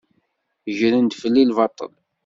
Gren-d fell-i lbaṭel.